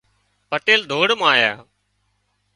پٽيل ڌوڙ مان آيا